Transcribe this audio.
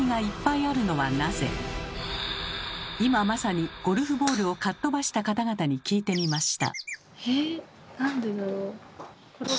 今まさにゴルフボールをかっ飛ばした方々に聞いてみました。